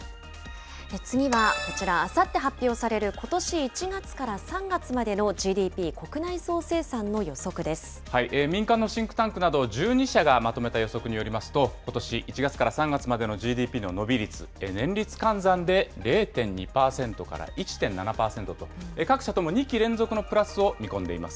次はこちら、あさって発表されることし１月から３月までのＧ民間のシンクタンクなど１２社がまとめた予測によりますと、ことし１月から３月までのＧＤＰの伸び率、年率換算で０．２％から１．７％と、各社とも２期連続のプラスを見込んでいます。